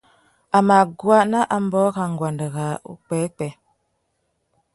A mà guá nà ambōh râ nguêndê râā upwêpwê.